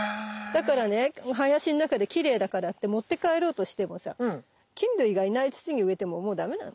だからね林の中できれいだからって持って帰ろうとしてもさ菌類がいない土に植えてももうダメなの。